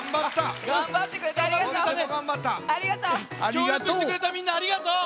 きょうりょくしてくれたみんなありがとう！